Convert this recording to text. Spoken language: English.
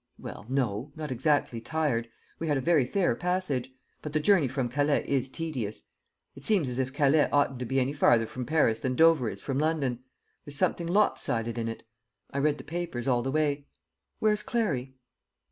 "Well, no; not exactly tired. We had a very fair passage; but the journey from Calais is tedious. It seems as if Calais oughtn't to be any farther from Paris than Dover is from London. There's something lop sided in it. I read the papers all the way. Where's Clarry?"